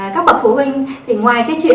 các bậc phụ huynh thì ngoài cái chuyện